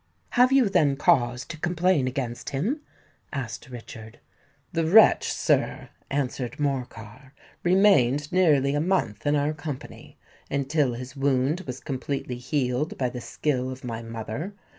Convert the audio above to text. "Have you then cause to complain against him?" asked Richard. "The wretch, sir," answered Morcar, "remained nearly a month in our company, until his wound was completely healed by the skill of my mother.